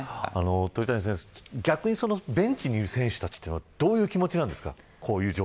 逆にベンチにいる選手たちはどのような気持ちなんですか。